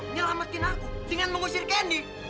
nyelamatin aku dengan mengusir candi